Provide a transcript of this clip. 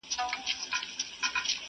ما وعده د بل دیدار درنه غوښتلای؛